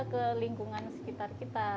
ke lingkungan sekitar kita